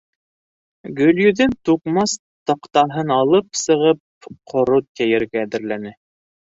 Гөлйөҙөм туҡмас таҡтаһын алып сығып ҡорот йәйергә әҙерләне.